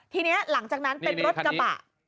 ทีนี้หลังจากนั้นเป็นรถกระบะ